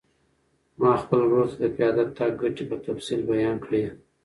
ما خپل ورور ته د پیاده تګ ګټې په تفصیل بیان کړې.